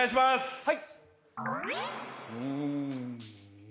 はい。